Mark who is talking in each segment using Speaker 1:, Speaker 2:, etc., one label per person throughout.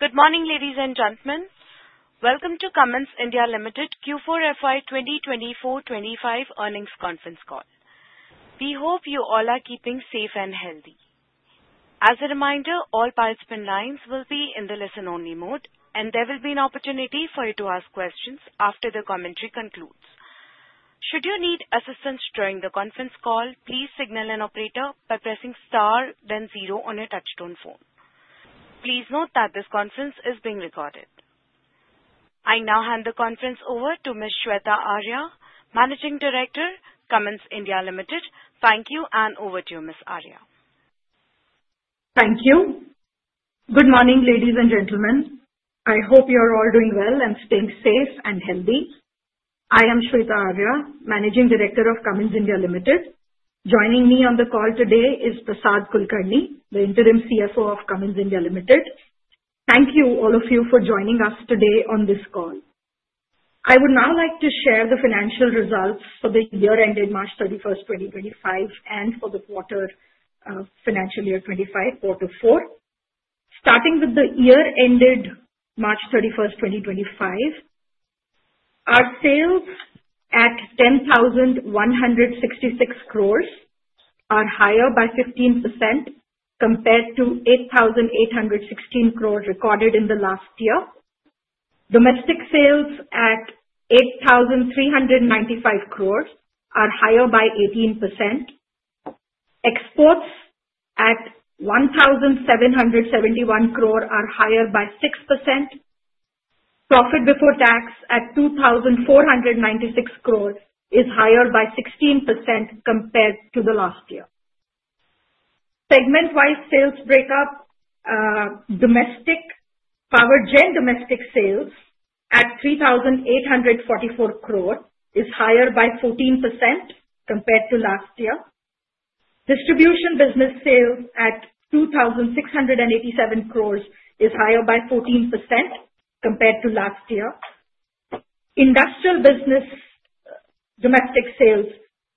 Speaker 1: Good morning, ladies and gentlemen. Welcome to Cummins India Ltd Q4 FY 2024-2025 earnings conference call. We hope you all are keeping safe and healthy. As a reminder, all participant lines will be in the listen-only mode, and there will be an opportunity for you to ask questions after the commentary concludes. Should you need assistance during the conference call, please signal an operator by pressing star, then zero on your touchstone phone. Please note that this conference is being recorded. I now hand the conference over to Ms. Shweta Arya, Managing Director, Cummins India Ltd. Thank you, and over to you, Ms. Arya.
Speaker 2: Thank you. Good morning, ladies and gentlemen. I hope you are all doing well and staying safe and healthy. I am Shweta Arya, Managing Director of Cummins India Ltd. Joining me on the call today is Prasad Kulkarni, the Interim CFO of Cummins India Ltd. Thank you, all of you, for joining us today on this call. I would now like to share the financial results for the year ended March 31, 2025, and for the quarter financial year 2025, quarter four. Starting with the year ended March 31, 2025, our sales at 10,166 crore are higher by 15% compared to 8,816 crore recorded in the last year. Domestic sales at 8,395 crore are higher by 18%. Exports at 1,771 crore are higher by 6%. Profit before tax at 2,496 crore is higher by 16% compared to the last year. Segment-wise sales breakup: domestic power gen domestic sales at 3,844 crore is higher by 14% compared to last year. Distribution business sales at 2,687 crore is higher by 14% compared to last year. Industrial business domestic sales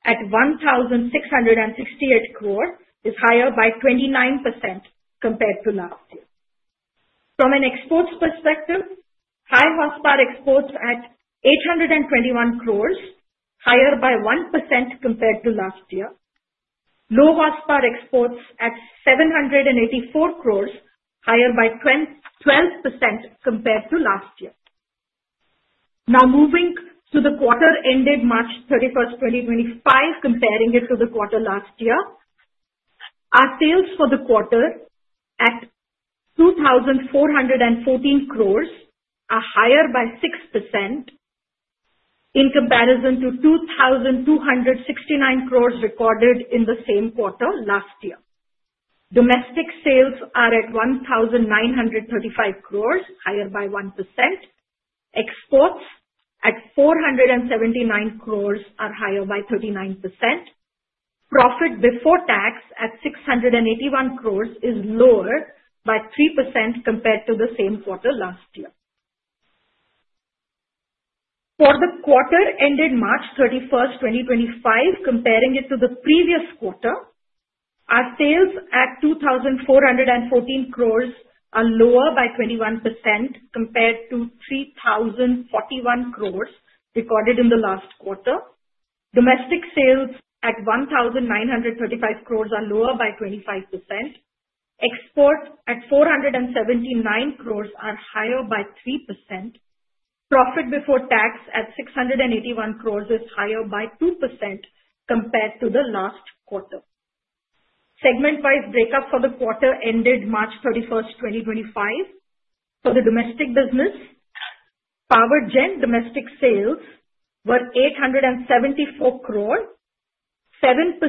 Speaker 2: at 1,668 crore is higher by 29% compared to last year. From an exports perspective, high HOSPAR exports at 821 crore, higher by 1% compared to last year. Low HOSPAR exports at 784 crore, higher by 12% compared to last year. Now, moving to the quarter ended March 31, 2025, comparing it to the quarter last year, our sales for the quarter at 2,414 crore are higher by 6% in comparison to 2,269 crore recorded in the same quarter last year. Domestic sales are at 1,935 crore, higher by 1%. Exports at 479 crore are higher by 39%. Profit before tax at 681 crore is lower by 3% compared to the same quarter last year. For the quarter ended March 31, 2025, comparing it to the previous quarter, our sales at 2,414 crore are lower by 21% compared to 3,041 crore recorded in the last quarter. Domestic sales at 1,935 crore are lower by 25%. Exports at 479 crore are higher by 3%. Profit before tax at 681 crore is higher by 2% compared to the last quarter. Segment-wise breakup for the quarter ended March 31, 2025. For the domestic business, power gen domestic sales were 874 crore, 7%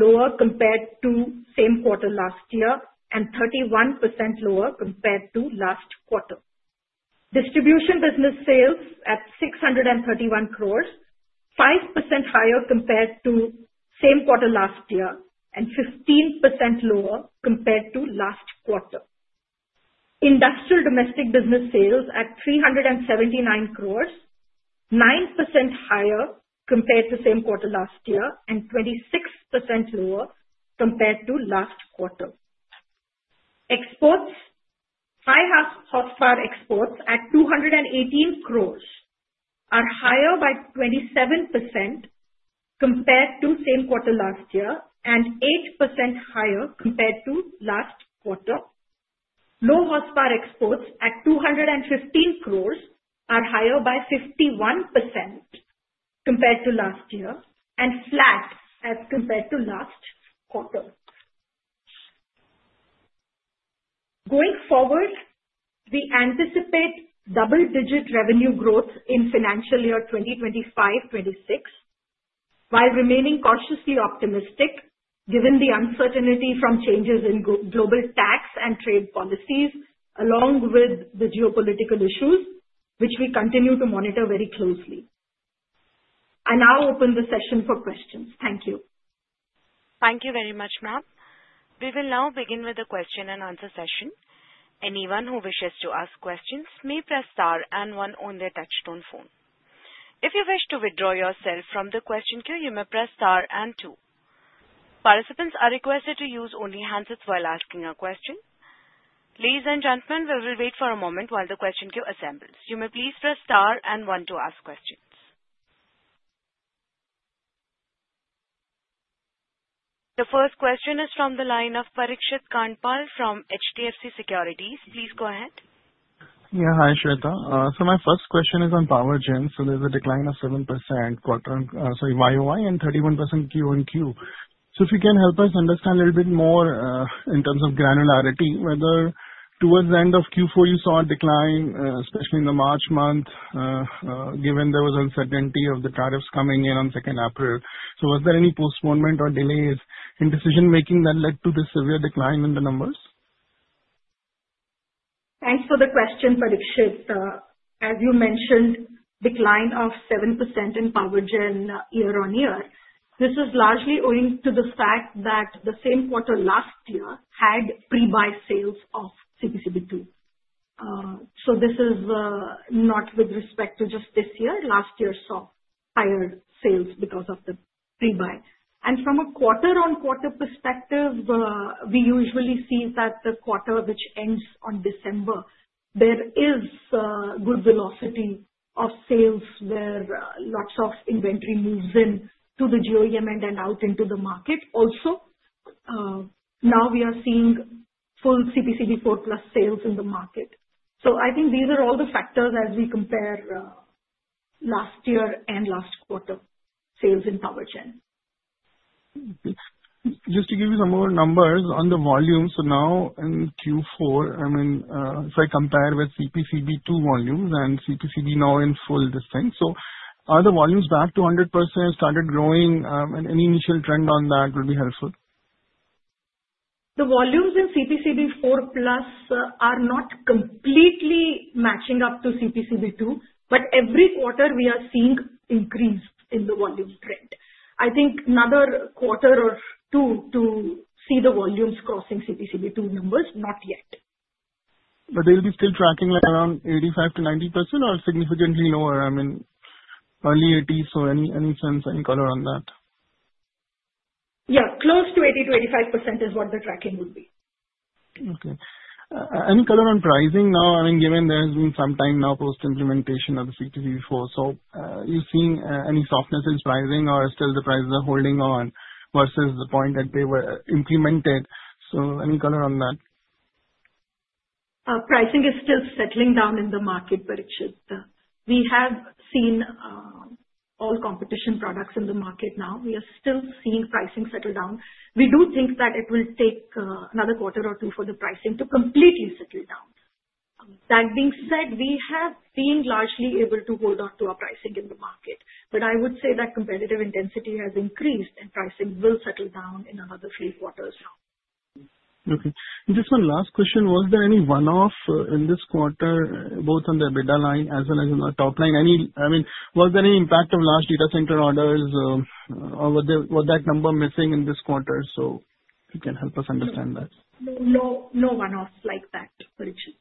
Speaker 2: lower compared to the same quarter last year, and 31% lower compared to last quarter. Distribution business sales at 631 crore, 5% higher compared to the same quarter last year, and 15% lower compared to last quarter. Industrial domestic business sales at 379 crore, 9% higher compared to the same quarter last year, and 26% lower compared to last quarter. Exports: high HOSPAR exports at 218 crore are higher by 27% compared to the same quarter last year, and 8% higher compared to last quarter. Low HOSPAR exports at 215 crore are higher by 51% compared to last year, and flat as compared to last quarter. Going forward, we anticipate double-digit revenue growth in financial year 2025-2026, while remaining cautiously optimistic given the uncertainty from changes in global tax and trade policies, along with the geopolitical issues, which we continue to monitor very closely. I now open the session for questions. Thank you.
Speaker 1: Thank you very much, ma'am. We will now begin with the question and answer session. Anyone who wishes to ask questions may press star and one on their touchstone phone. If you wish to withdraw yourself from the question queue, you may press star and two. Participants are requested to use only handsets while asking a question. Ladies and gentlemen, we will wait for a moment while the question queue assembles. You may please press star and one to ask questions. The first question is from the line of Parikshit Kandpal from HDFC Securities. Please go ahead.
Speaker 3: Yeah, hi, Shweta. So my first question is on power gen. So there's a decline of 7% quarter on, sorry, YOI and 31% Q1Q. If you can help us understand a little bit more in terms of granularity, whether towards the end of Q4 you saw a decline, especially in the March month, given there was uncertainty of the tariffs coming in on 2nd April. Was there any postponement or delays in decision-making that led to this severe decline in the numbers?
Speaker 2: Thanks for the question, Parikshit. As you mentioned, decline of 7% in power gen year on year. This is largely owing to the fact that the same quarter last year had pre-buy sales of CPCB2. This is not with respect to just this year. Last year saw higher sales because of the pre-buy. From a quarter-on-quarter perspective, we usually see that the quarter which ends on December, there is good velocity of sales where lots of inventory moves in to the GOEM and then out into the market. Also, now we are seeing full CPCB4 plus sales in the market. I think these are all the factors as we compare last year and last quarter sales in power gen.
Speaker 3: Just to give you some more numbers on the volume, now in Q4, I mean, if I compare with CPCB2 volumes and CPCB now in full, this thing, are the volumes back to 100%? Started growing? Any initial trend on that would be helpful.
Speaker 2: The volumes in CPCB4 plus are not completely matching up to CPCB2, but every quarter we are seeing increase in the volume trend. I think another quarter or two to see the volumes crossing CPCB2 numbers, not yet.
Speaker 3: They'll be still tracking like around 85%-90% or significantly lower? I mean, early 80s, so any sense, any color on that?
Speaker 2: Yeah, close to 80-85% is what the tracking would be.
Speaker 3: Okay. Any color on pricing now? I mean, given there has been some time now post-implementation of the CPCB4, are you seeing any softness in pricing, or are the prices still holding on versus the point that they were implemented? Any color on that?
Speaker 2: Pricing is still settling down in the market, Parikshit. We have seen all competition products in the market now. We are still seeing pricing settle down. We do think that it will take another quarter or two for the pricing to completely settle down. That being said, we have been largely able to hold on to our pricing in the market, but I would say that competitive intensity has increased and pricing will settle down in another three quarters now.
Speaker 3: Okay. Just one last question. Was there any one-off in this quarter, both on the EBITDA line as well as on the top line? Any, I mean, was there any impact of large data center orders, or was that number missing in this quarter? If you can help us understand that.
Speaker 2: No, no one-offs like that, Parikshit.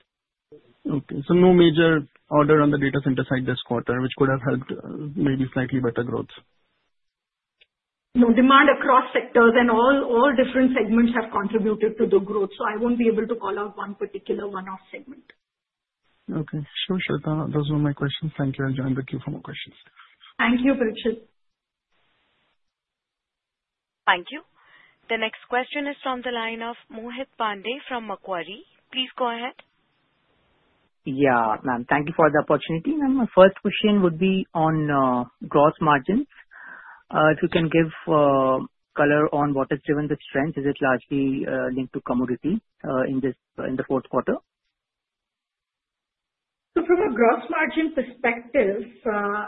Speaker 3: Okay. So no major order on the data center side this quarter, which could have helped maybe slightly better growth?
Speaker 2: No, demand across sectors and all different segments have contributed to the growth, so I won't be able to call out one particular one-off segment.
Speaker 3: Okay. Sure, Shweta. Those were my questions. Thank you. I'll join the queue for more questions.
Speaker 2: Thank you, Parikshit.
Speaker 1: Thank you. The next question is from the line of Mohit Pandey from Macquarie. Please go ahead.
Speaker 4: Yeah, ma'am. Thank you for the opportunity. Ma'am, my first question would be on gross margins. If you can give color on what has driven the strength, is it largely linked to commodity in the fourth quarter?
Speaker 2: From a gross margin perspective,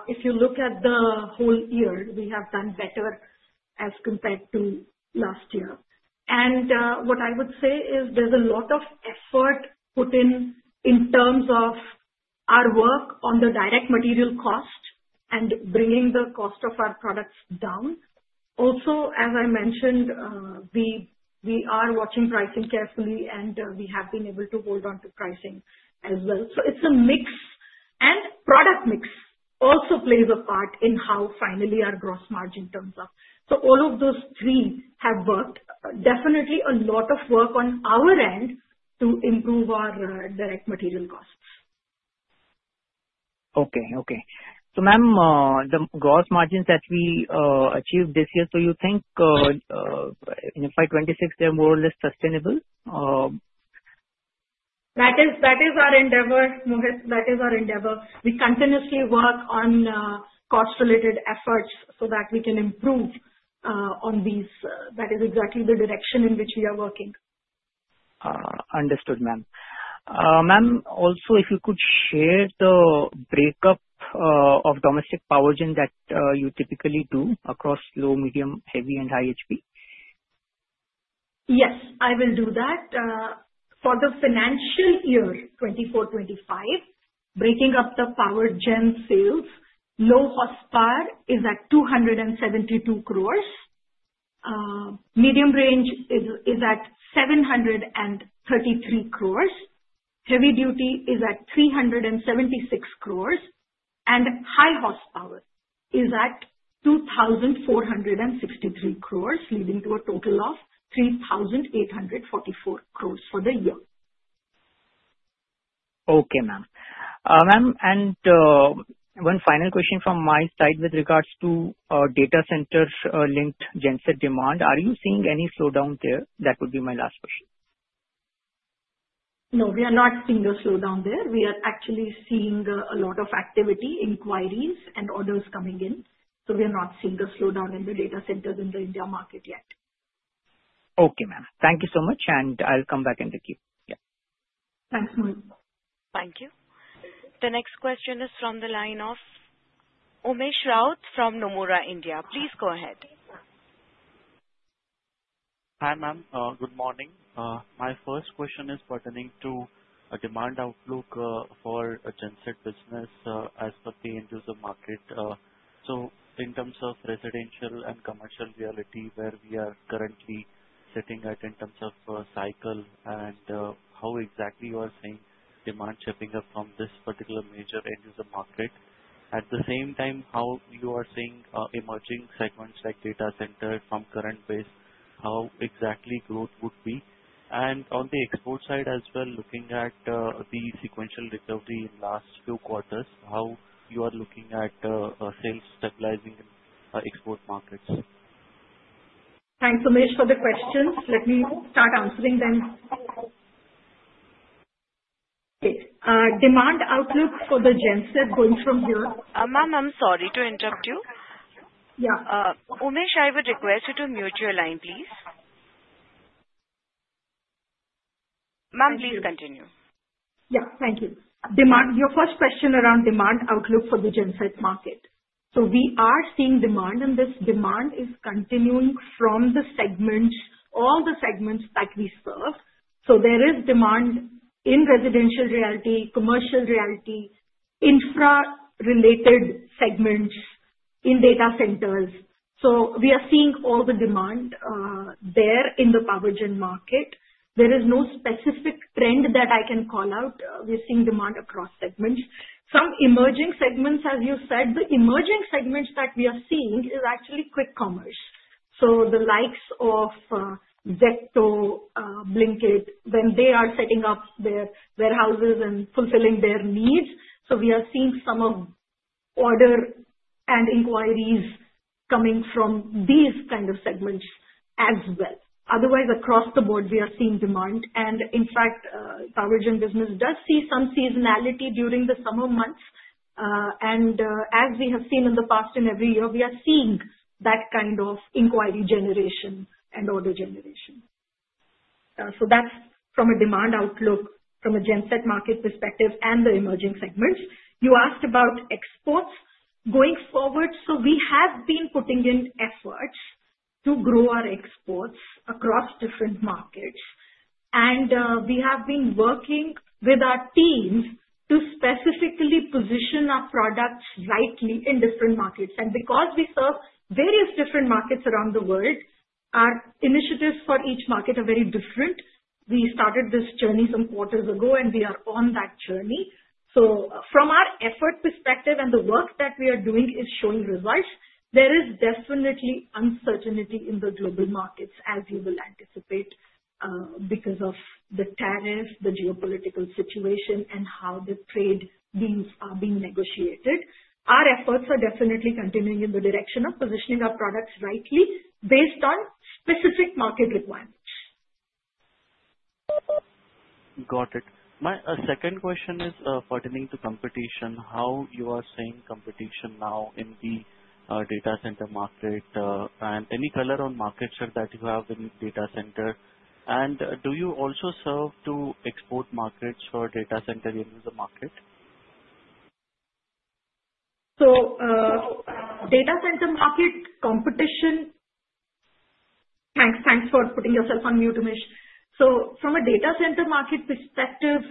Speaker 2: if you look at the whole year, we have done better as compared to last year. What I would say is there's a lot of effort put in in terms of our work on the direct material cost and bringing the cost of our products down. Also, as I mentioned, we are watching pricing carefully, and we have been able to hold on to pricing as well. It is a mix, and product mix also plays a part in how finally our gross margin comes up. All of those three have worked. Definitely a lot of work on our end to improve our direct material costs.
Speaker 4: Okay, okay. So ma'am, the gross margins that we achieved this year, do you think by 2026 they're more or less sustainable?
Speaker 2: That is our endeavor, Mohit. That is our endeavor. We continuously work on cost-related efforts so that we can improve on these. That is exactly the direction in which we are working.
Speaker 4: Understood, ma'am. Ma'am, also, if you could share the breakup of domestic power gen that you typically do across low, medium, heavy, and high HP.
Speaker 2: Yes, I will do that. For the financial year 2024-2025, breaking up the power gen sales, low HOSPAR is at 272 crore, medium range is at 733 crore, heavy duty is at 376 crore, and high HOSPAR is at 2,463 crore, leading to a total of 3,844 crore for the year.
Speaker 4: Okay, ma'am. Ma'am, and one final question from my side with regards to data center linked gen set demand. Are you seeing any slowdown there? That would be my last question.
Speaker 2: No, we are not seeing the slowdown there. We are actually seeing a lot of activity, inquiries, and orders coming in. We are not seeing the slowdown in the data centers in the India market yet.
Speaker 4: Okay, ma'am. Thank you so much, and I'll come back in the queue. Yeah.
Speaker 2: Thanks, Mohit.
Speaker 1: Thank you. The next question is from the line of Umesh Raut from Nomura India. Please go ahead.
Speaker 5: Hi, ma'am. Good morning. My first question is pertaining to demand outlook for gen set business as per the end-user market. In terms of residential and commercial realty, where are we currently sitting at in terms of cycle and how exactly are you seeing demand shaping up from this particular major end-user market? At the same time, how are you seeing emerging segments like data center from current base, how exactly growth would be? On the export side as well, looking at the sequential recovery in last few quarters, how are you looking at sales stabilizing in export markets?
Speaker 2: Thanks, Umesh, for the questions. Let me start answering them. Okay. Demand outlook for the gen set going from here.
Speaker 1: Ma'am, I'm sorry to interrupt you.
Speaker 2: Yeah.
Speaker 1: Umesh, I would request you to mute your line, please. Ma'am, please continue.
Speaker 2: Yeah, thank you. Your first question around demand outlook for the gen set market. We are seeing demand, and this demand is continuing from the segments, all the segments that we serve. There is demand in residential realty, commercial realty, infra-related segments, in data centers. We are seeing all the demand there in the power gen market. There is no specific trend that I can call out. We're seeing demand across segments. Some emerging segments, as you said, the emerging segments that we are seeing is actually quick commerce. The likes of Zomato, Blinkit, when they are setting up their warehouses and fulfilling their needs. We are seeing some of order and inquiries coming from these kind of segments as well. Otherwise, across the board, we are seeing demand. In fact, power gen business does see some seasonality during the summer months. As we have seen in the past and every year, we are seeing that kind of inquiry generation and order generation. That is from a demand outlook from a gen set market perspective and the emerging segments. You asked about exports going forward. We have been putting in efforts to grow our exports across different markets. We have been working with our teams to specifically position our products rightly in different markets. Because we serve various different markets around the world, our initiatives for each market are very different. We started this journey some quarters ago, and we are on that journey. From our effort perspective, the work that we are doing is showing results. There is definitely uncertainty in the global markets, as you will anticipate, because of the tariff, the geopolitical situation, and how the trade deals are being negotiated. Our efforts are definitely continuing in the direction of positioning our products rightly based on specific market requirements.
Speaker 5: Got it. My second question is pertaining to competition, how you are seeing competition now in the data center market, and any color on markets that you have in data center? Do you also serve to export markets for data center in the market?
Speaker 2: Data center market competition. Thanks. Thanks for putting yourself on mute, Umesh. From a data center market perspective,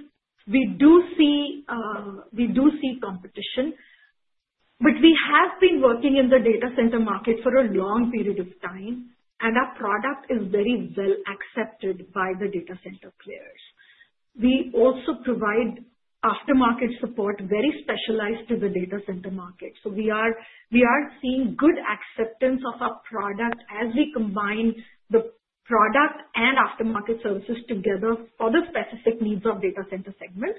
Speaker 2: we do see competition, but we have been working in the data center market for a long period of time, and our product is very well accepted by the data center players. We also provide aftermarket support very specialized to the data center market. We are seeing good acceptance of our product as we combine the product and aftermarket services together for the specific needs of data center segments.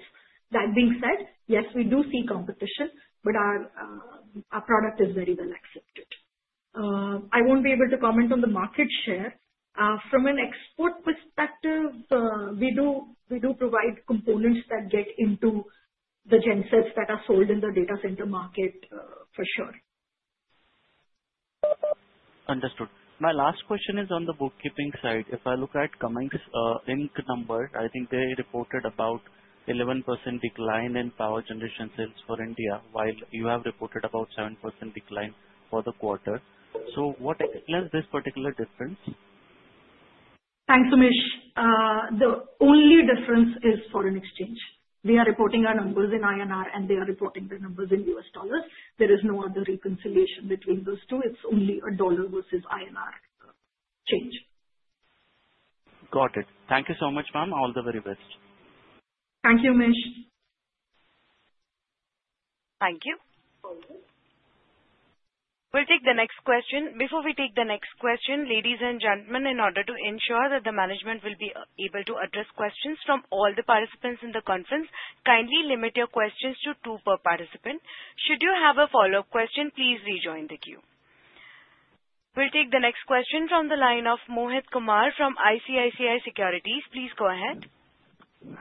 Speaker 2: That being said, yes, we do see competition, but our product is very well accepted. I won't be able to comment on the market share. From an export perspective, we do provide components that get into the gen sets that are sold in the data center market for sure.
Speaker 5: Understood. My last question is on the bookkeeping side. If I look at Cummins Inc number, I think they reported about 11% decline in power generation sales for India, while you have reported about 7% decline for the quarter. What explains this particular difference?
Speaker 2: Thanks, Umesh. The only difference is foreign exchange. We are reporting our numbers in INR, and they are reporting their numbers in US dollars. There is no other reconciliation between those two. It is only a dollar versus INR change.
Speaker 5: Got it. Thank you so much, ma'am. All the very best.
Speaker 2: Thank you, Umesh.
Speaker 1: Thank you. We'll take the next question. Before we take the next question, ladies and gentlemen, in order to ensure that the management will be able to address questions from all the participants in the conference, kindly limit your questions to two per participant. Should you have a follow-up question, please rejoin the queue. We'll take the next question from the line of Mohit Kumar from ICICI Securities. Please go ahead.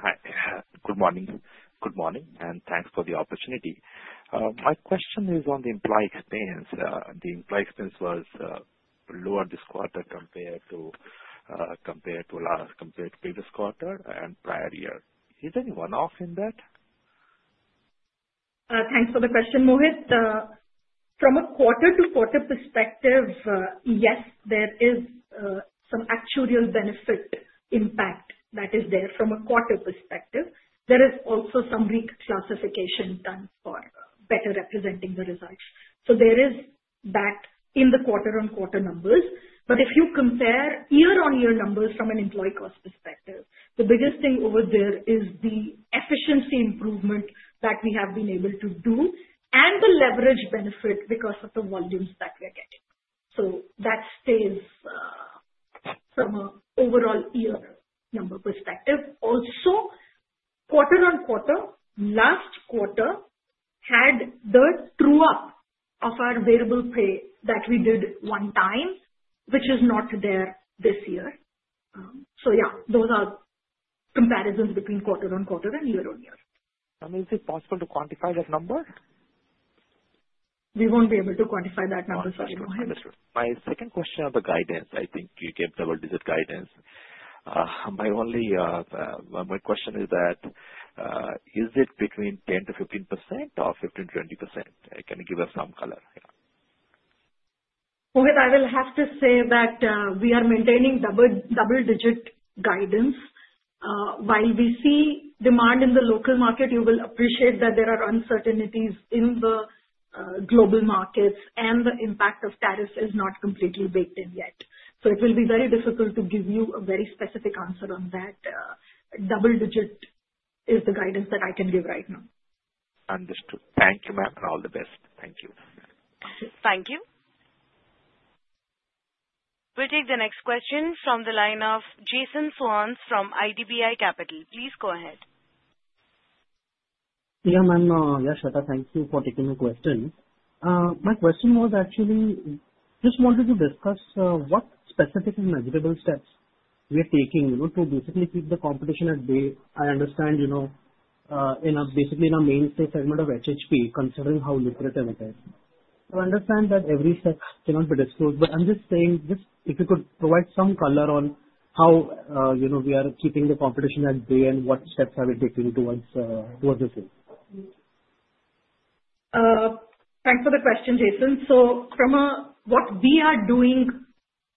Speaker 5: Hi. Good morning. Good morning, and thanks for the opportunity. My question is on the implied expense. The implied expense was lower this quarter compared to last, compared to previous quarter and prior year. Is there any one-off in that?
Speaker 2: Thanks for the question, Mohit. From a quarter-to-quarter perspective, yes, there is some actuarial benefit impact that is there from a quarter perspective. There is also some reclassification done for better representing the results. There is that in the quarter-on-quarter numbers. If you compare year-on-year numbers from an employee cost perspective, the biggest thing over there is the efficiency improvement that we have been able to do and the leverage benefit because of the volumes that we are getting. That stays from an overall year-on-year perspective. Also, quarter-on-quarter, last quarter had the true-up of our variable pay that we did one time, which is not there this year. Those are comparisons between quarter-on-quarter and year-on-year.
Speaker 4: Ma'am, is it possible to quantify that number?
Speaker 2: We won't be able to quantify that number. Sorry, go ahead.
Speaker 5: My second question on the guidance, I think you gave double-digit guidance. My question is that is it between 10-15% or 15-20%? Can you give us some color?
Speaker 2: Mohit, I will have to say that we are maintaining double-digit guidance. While we see demand in the local market, you will appreciate that there are uncertainties in the global markets, and the impact of tariffs is not completely baked in yet. It will be very difficult to give you a very specific answer on that. Double-digit is the guidance that I can give right now.
Speaker 4: Understood. Thank you, ma'am, and all the best. Thank you.
Speaker 1: Thank you. We'll take the next question from the line of Jason Swans from IDBI Capital. Please go ahead.
Speaker 6: Yeah, ma'am. Yes, Shweta, thank you for taking the question. My question was actually just wanted to discuss what specific measurable steps we are taking to basically keep the competition at bay. I understand basically in our mainstay segment of HHP, considering how lucrative it is. I understand that every step cannot be disclosed, but I'm just saying if you could provide some color on how we are keeping the competition at bay and what steps are we taking towards this?
Speaker 2: Thanks for the question, Jason. From what we are doing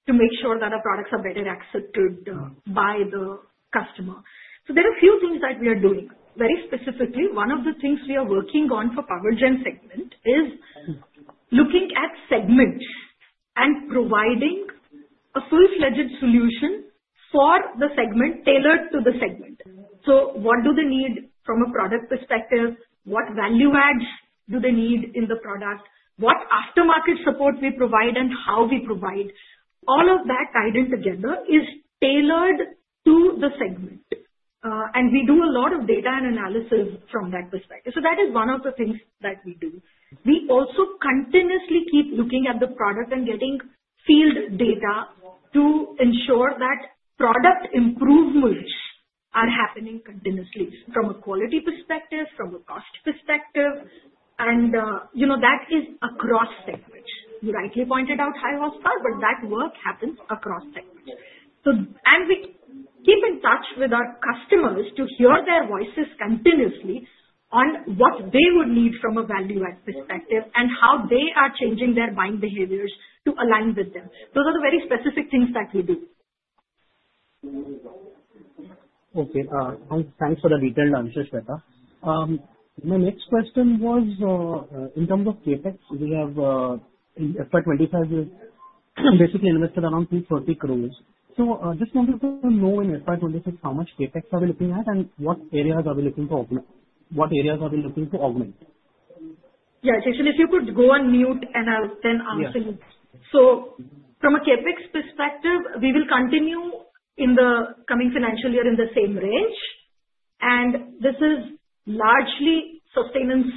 Speaker 2: to make sure that our products are better accepted by the customer, there are a few things that we are doing. Very specifically, one of the things we are working on for the power gen segment is looking at segments and providing a full-fledged solution for the segment tailored to the segment. What do they need from a product perspective? What value adds do they need in the product? What aftermarket support we provide and how we provide? All of that guidance together is tailored to the segment. We do a lot of data and analysis from that perspective. That is one of the things that we do. We also continuously keep looking at the product and getting field data to ensure that product improvements are happening continuously from a quality perspective, from a cost perspective. That is across segments. You rightly pointed out high HOSPAR, but that work happens across segments. We keep in touch with our customers to hear their voices continuously on what they would need from a value add perspective and how they are changing their buying behaviors to align with them. Those are the very specific things that we do.
Speaker 6: Okay. Thanks for the detailed answers, Shweta. My next question was in terms of Capex, we have FY 2025 basically invested around 340 crore. Just wanted to know in FY 2026 how much Capex are we looking at and what areas are we looking to augment? What areas are we looking to augment?
Speaker 2: Yeah, Jason, if you could go on mute and I'll then answer you. From a Capex perspective, we will continue in the coming financial year in the same range. This is largely sustainance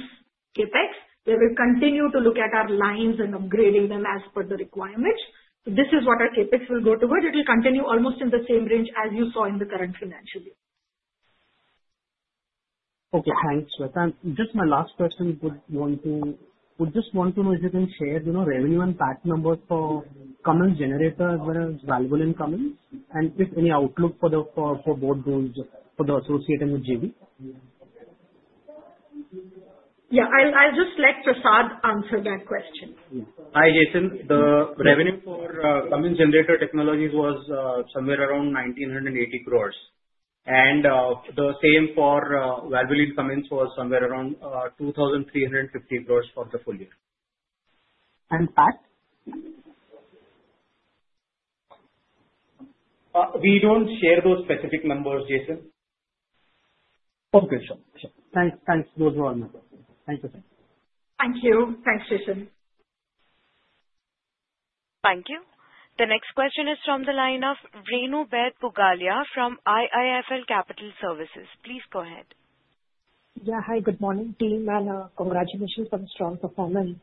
Speaker 2: Capex, where we continue to look at our lines and upgrading them as per the requirements. This is what our Capex will go towards. It will continue almost in the same range as you saw in the current financial year.
Speaker 7: Okay. Thanks, Shveta. Just my last question, would just want to know if you can share revenue and PBT numbers for Cummins Generator Technologies as well as Valvoline Cummins and if any outlook for both those for the associated JV?
Speaker 2: Yeah. I'll just let Prasad answer that question.
Speaker 8: Hi, Jason. The revenue for Cummins Generator Technologies was somewhere around 1,980 crore. The same for Valvoline Cummins was somewhere around 2,350 crore for the full year.
Speaker 7: And PAC?
Speaker 8: We don't share those specific numbers, Jason.
Speaker 6: Okay. Sure. Sure. Thanks. Thanks. Those were all my questions. Thank you.
Speaker 2: Thank you. Thanks, Jason.
Speaker 1: Thank you. The next question is from the line of Renu Baid Pugalia from IIFL Capital Services. Please go ahead.
Speaker 9: Yeah. Hi, good morning, team, and congratulations on strong performance.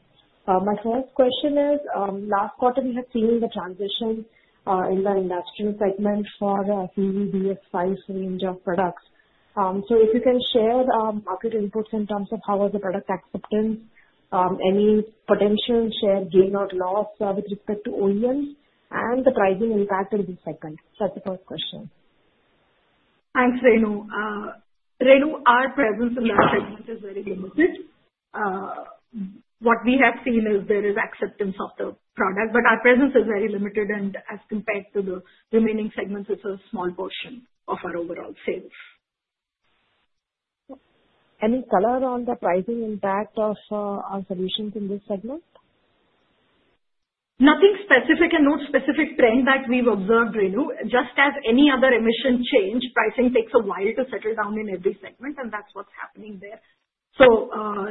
Speaker 9: My first question is, last quarter, we have seen the transition in the industrial segment for CVDS5 range of products. If you can share market inputs in terms of how was the product acceptance, any potential share gain or loss with respect to OEMs and the pricing impact in this segment. That is the first question.
Speaker 2: Thanks, Renu. Renu, our presence in that segment is very limited. What we have seen is there is acceptance of the product, but our presence is very limited. As compared to the remaining segments, it's a small portion of our overall sales.
Speaker 9: Any color on the pricing impact of our solutions in this segment?
Speaker 2: Nothing specific and no specific trend that we've observed, Renu. Just as any other emission change, pricing takes a while to settle down in every segment, and that's what's happening there.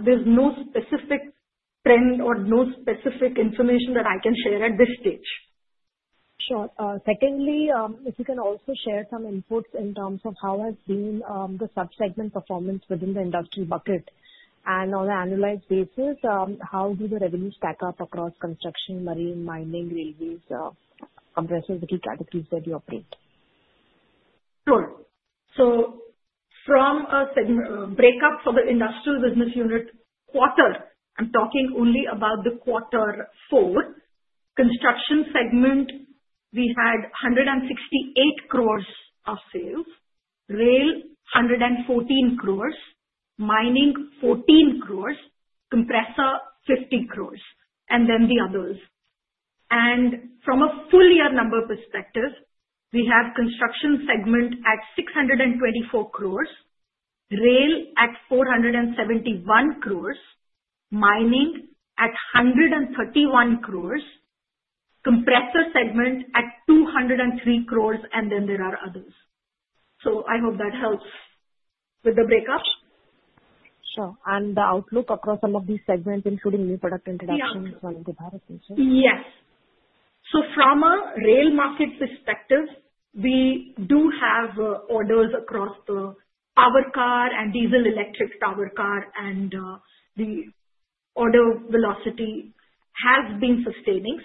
Speaker 2: There's no specific trend or no specific information that I can share at this stage.
Speaker 9: Sure. Secondly, if you can also share some inputs in terms of how has been the subsegment performance within the industrial bucket. On an annualized basis, how do the revenues stack up across construction, marine, mining, railways, compressors, the key categories that you operate?
Speaker 2: Sure. From a breakup for the industrial business unit quarter, I'm talking only about the quarter four. Construction segment, we had 168 crore of sales. Rail, 114 crore. Mining, 14 crore. Compressor, 50 crore. Then the others. From a full year number perspective, we have construction segment at 624 crore, rail at 471 crore, mining at 131 crore, compressor segment at 203 crore, and then there are others. I hope that helps with the breakup.
Speaker 9: Sure. The outlook across all of these segments, including new product introductions and devices, Jason?
Speaker 2: Yes. From a rail market perspective, we do have orders across the power car and diesel electric power car, and the order velocity has been sustaining.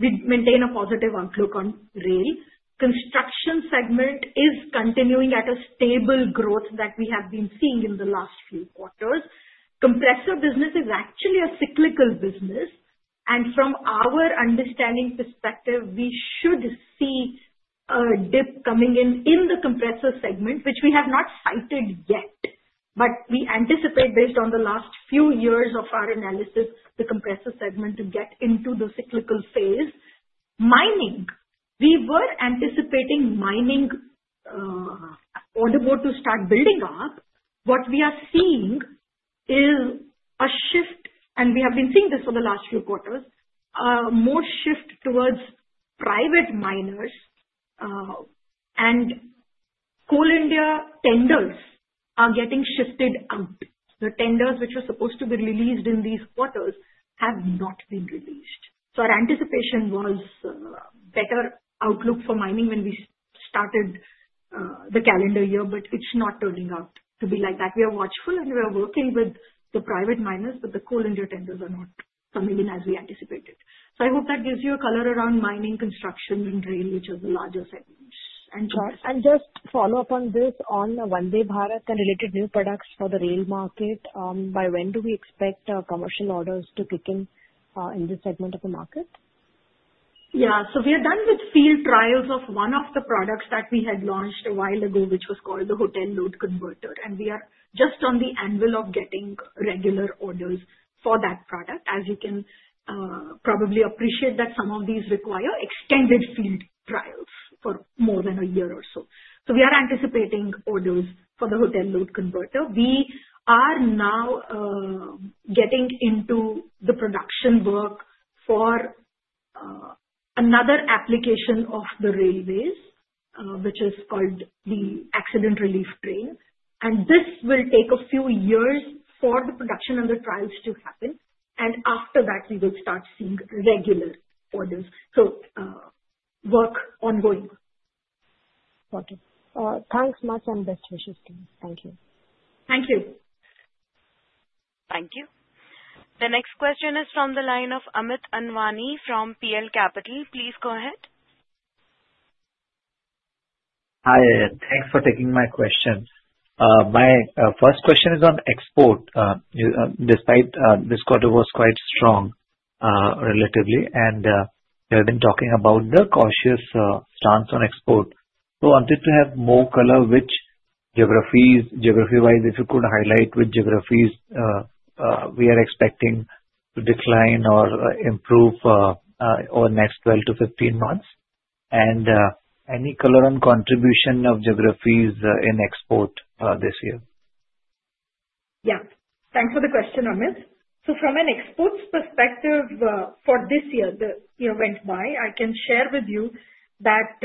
Speaker 2: We maintain a positive outlook on rail. Construction segment is continuing at a stable growth that we have been seeing in the last few quarters. Compressor business is actually a cyclical business. From our understanding perspective, we should see a dip coming in the compressor segment, which we have not cited yet. We anticipate, based on the last few years of our analysis, the compressor segment to get into the cyclical phase. Mining, we were anticipating mining order board to start building up. What we are seeing is a shift, and we have been seeing this for the last few quarters, more shift towards private miners. Coal India tenders are getting shifted out. The tenders which were supposed to be released in these quarters have not been released. Our anticipation was better outlook for mining when we started the calendar year, but it's not turning out to be like that. We are watchful, and we are working with the private miners, but the Coal India tenders are not coming in as we anticipated. I hope that gives you a color around mining, construction, and rail, which are the larger segments.
Speaker 9: Just follow up on this on Vande Bharat and related new products for the rail market. By when do we expect commercial orders to kick in in this segment of the market?
Speaker 2: Yeah. We are done with field trials of one of the products that we had launched a while ago, which was called the hotel load converter. We are just on the anvil of getting regular orders for that product. As you can probably appreciate, some of these require extended field trials for more than a year or so. We are anticipating orders for the hotel load converter. We are now getting into the production work for another application of the railways, which is called the accident relief train. This will take a few years for the production and the trials to happen. After that, we will start seeing regular orders. Work ongoing.
Speaker 4: Got it. Thanks much and best wishes to you. Thank you.
Speaker 2: Thank you.
Speaker 1: Thank you. The next question is from the line of Amit Anwani from PL Capital. Please go ahead.
Speaker 10: Hi. Thanks for taking my question. My first question is on export. Despite this quarter was quite strong relatively, and we have been talking about the cautious stance on export. I wanted to have more color which geographies, geography-wise, if you could highlight which geographies we are expecting to decline or improve over the next 12 to 15 months. Any color on contribution of geographies in export this year?
Speaker 2: Yeah. Thanks for the question, Amit. From an exports perspective for this year that went by, I can share with you that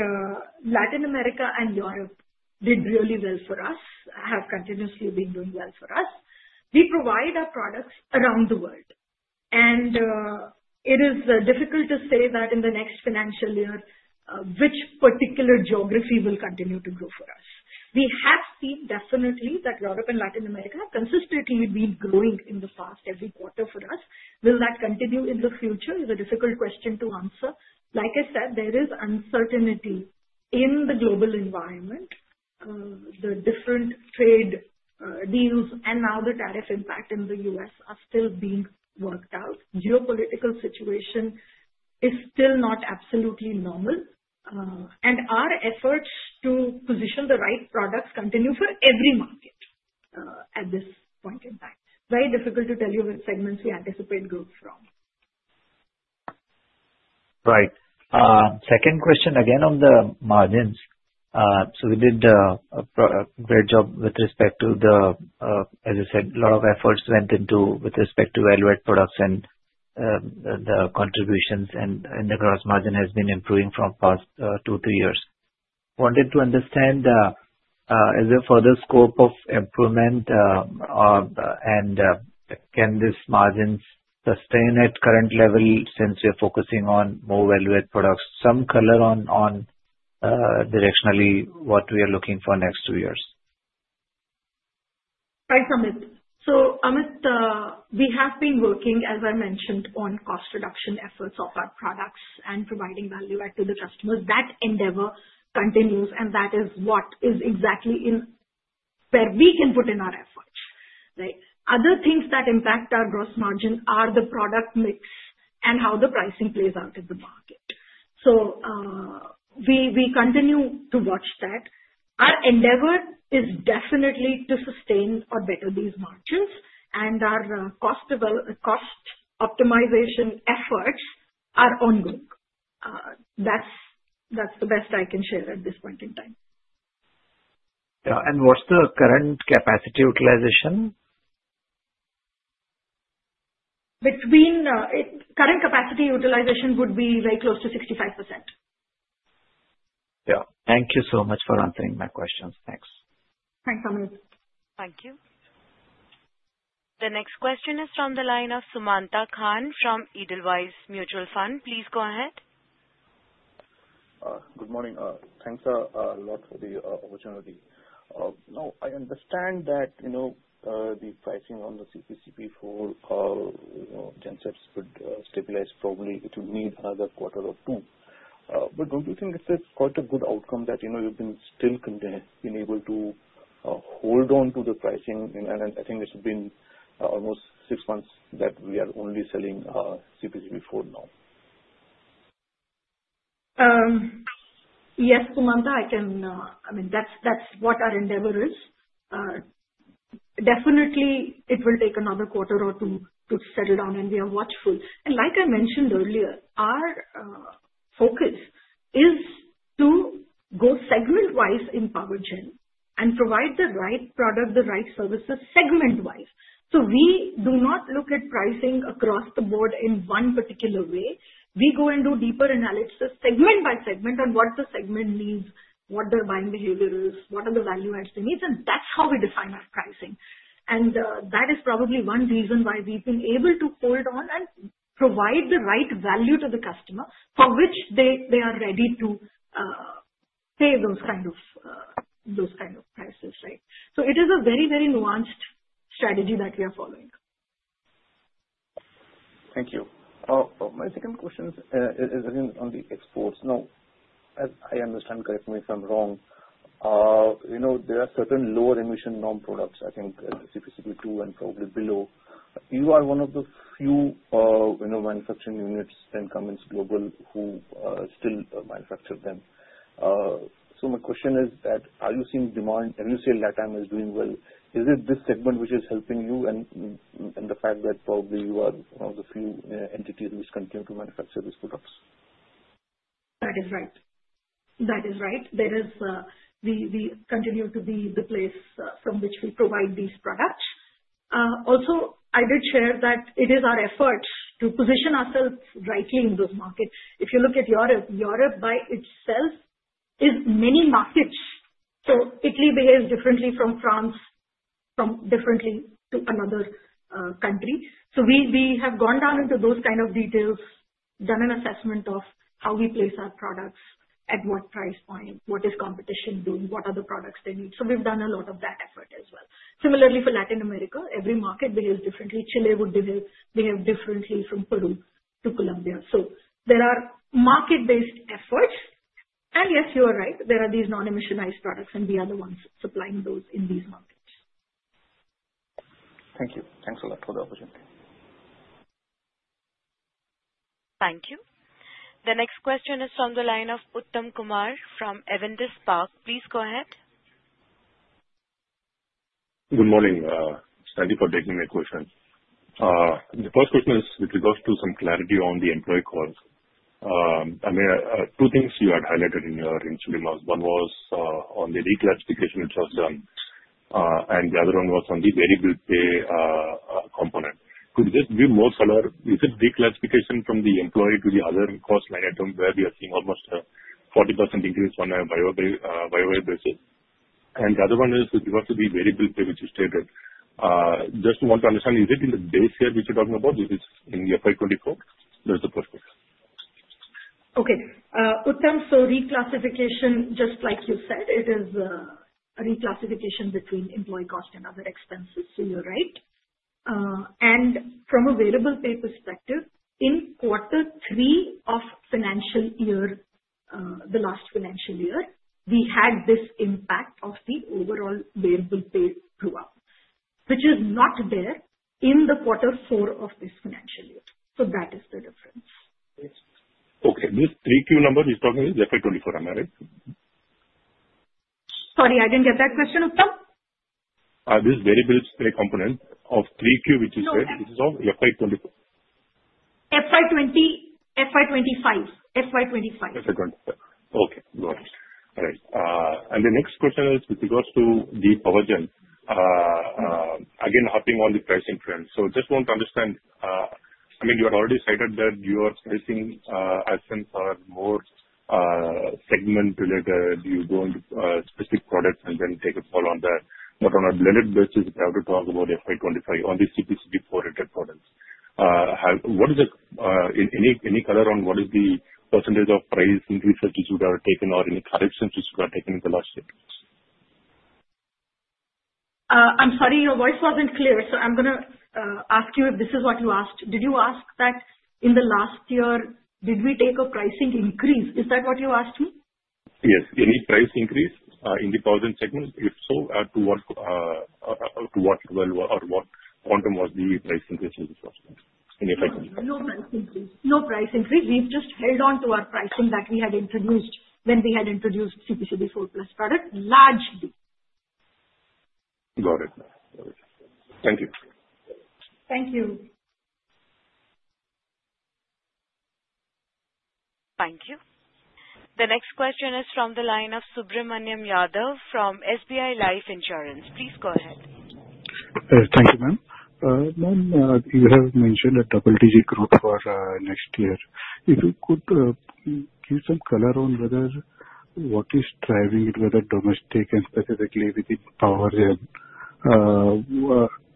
Speaker 2: Latin America and Europe did really well for us, have continuously been doing well for us. We provide our products around the world. It is difficult to say that in the next financial year which particular geography will continue to grow for us. We have seen definitely that Europe and Latin America have consistently been growing in the past every quarter for us. Will that continue in the future is a difficult question to answer. Like I said, there is uncertainty in the global environment. The different trade deals and now the tariff impact in the U.S. are still being worked out. Geopolitical situation is still not absolutely normal. Our efforts to position the right products continue for every market at this point in time. Very difficult to tell you which segments we anticipate growth from.
Speaker 10: Right. Second question, again on the margins. We did a great job with respect to the, as I said, a lot of efforts went into with respect to value add products and the contributions and the gross margin has been improving from past two to three years. Wanted to understand, is there further scope of improvement and can these margins sustain at current level since we are focusing on more value add products? Some color on directionally what we are looking for next two years.
Speaker 2: Thanks, Amit. Amit, we have been working, as I mentioned, on cost reduction efforts of our products and providing value add to the customers. That endeavor continues, and that is what is exactly where we can put in our efforts. Other things that impact our gross margin are the product mix and how the pricing plays out in the market. We continue to watch that. Our endeavor is definitely to sustain or better these margins, and our cost optimization efforts are ongoing. That's the best I can share at this point in time.
Speaker 10: Yeah. What's the current capacity utilization?
Speaker 2: Current capacity utilization would be very close to 65%.
Speaker 10: Yeah. Thank you so much for answering my questions. Thanks.
Speaker 2: Thanks, Amit.
Speaker 1: Thank you. The next question is from the line of Sumanta Khan from Edelweiss Mutual Fund. Please go ahead.
Speaker 11: Good morning. Thanks a lot for the opportunity. Now, I understand that the pricing on the CPCB4 or gen sets could stabilize probably to meet another quarter or two. Don't you think it's quite a good outcome that you've still been able to hold on to the pricing? I think it's been almost six months that we are only selling CPCB4 now.
Speaker 2: Yes, Sumanta, I can. I mean, that's what our endeavor is. Definitely, it will take another quarter or two to settle down, and we are watchful. Like I mentioned earlier, our focus is to go segment-wise in power gen and provide the right product, the right services segment-wise. We do not look at pricing across the board in one particular way. We go and do deeper analysis segment by segment on what the segment needs, what their buying behavior is, what are the value adds they need. That is how we define our pricing. That is probably one reason why we've been able to hold on and provide the right value to the customer for which they are ready to pay those kind of prices, right? It is a very, very nuanced strategy that we are following.
Speaker 11: Thank you. My second question is on the exports. Now, as I understand correctly, if I'm wrong, there are certain lower emission non-products, I think CPCB2 and probably below. You are one of the few manufacturing units in Cummins Global who still manufacture them. So my question is that, are you seeing demand? Have you seen Latam is doing well? Is it this segment which is helping you and the fact that probably you are one of the few entities which continue to manufacture these products?
Speaker 2: That is right. We continue to be the place from which we provide these products. Also, I did share that it is our effort to position ourselves rightly in those markets. If you look at Europe, Europe by itself is many markets. Italy behaves differently from France, differently to another country. We have gone down into those kinds of details, done an assessment of how we place our products at what price point, what is competition doing, what are the products they need. We have done a lot of that effort as well. Similarly, for Latin America, every market behaves differently. Chile would behave differently from Peru to Colombia. There are market-based efforts. Yes, you are right. There are these non-emissionized products, and we are the ones supplying those in these markets.
Speaker 11: Thank you. Thanks a lot for the opportunity.
Speaker 1: Thank you. The next question is from the line of Uttam Kumar from Evendis Park. Please go ahead.
Speaker 12: Good morning. Thank you for taking my question. The first question is with regards to some clarity on the employee cost. I mean, two things you had highlighted in your insulin logs. One was on the reclassification which was done, and the other one was on the variable pay component. Could this be more color? Is it reclassification from the employee to the other cost line item where we are seeing almost a 40% increase on a variable basis? The other one is with regards to the variable pay which you stated. Just want to understand, is it in the base year which you're talking about? Is it in the FY2024? That's the first question.
Speaker 2: Okay. Uttam, reclassification, just like you said, it is a reclassification between employee cost and other expenses. You are right. From a variable pay perspective, in quarter three of financial year, the last financial year, we had this impact of the overall variable pay throughout, which is not there in the quarter four of this financial year. That is the difference.
Speaker 12: Okay. This 3Q number you're talking is FY2024, am I right?
Speaker 2: Sorry, I didn't get that question, Uttam.
Speaker 12: This variable pay component of 3Q which you said, this is of FY24?
Speaker 2: FY25. FY25.
Speaker 12: FY25. Okay. Got it. All right. The next question is with regards to the power gen, again, hopping on the pricing trend. Just want to understand, I mean, you had already cited that your spacing actions are more segment related. You go into specific products and then take a call on that. On a blended basis, if we have to talk about FY25 on the CPCB4 plus rated products, is there any color on what is the percentage of price increases which you have taken or any corrections which you have taken in the last year?
Speaker 2: I'm sorry, your voice wasn't clear. I'm going to ask you if this is what you asked. Did you ask that in the last year, did we take a pricing increase? Is that what you asked me?
Speaker 12: Yes. Any price increase in the power gen segment? If so, to what level or what quantum was the price increase in the power gen?
Speaker 2: No price increase. No price increase. We've just held on to our pricing that we had introduced when we had introduced CPCB4 plus product largely.
Speaker 12: Got it. Thank you.
Speaker 2: Thank you.
Speaker 1: Thank you. The next question is from the line of Subramaniam Yadav from SBI Life Insurance. Please go ahead.
Speaker 13: Thank you, ma'am. Ma'am, you have mentioned a double-digit growth for next year. If you could give some color on whether what is driving it, whether domestic and specifically within power gen,